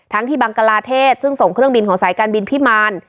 ที่บังกลาเทศซึ่งส่งเครื่องบินของสายการบินพิมาร